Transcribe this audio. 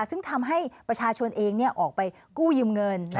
ซึ่งทำให้ประชาชนเองออกไปกู้ยืมเงิน